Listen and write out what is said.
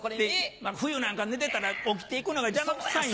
冬なんか寝てたら起きて行くのが邪魔くさい。